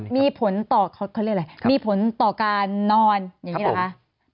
มีผลต่อการนอนอย่างงี้แหละครับ